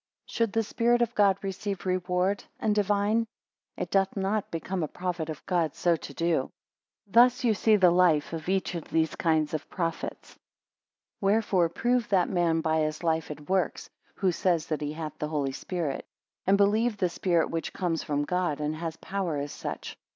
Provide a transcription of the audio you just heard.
11 Should the Spirit of God receive reward, and divine? It doth not become a prophet of God so to do. 12 Thus you seethe life of each of these kind of prophets. Wherefore prove that man by his life and works, who says that he hath the Holy Spirit. And believe the Spirit which comes from God, and has power as such.